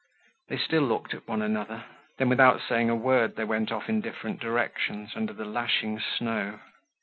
They still looked at one another. Then, without saying a word, they went off in different directions under the lashing snow.